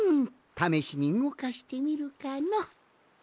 ためしにうごかしてみるかのう。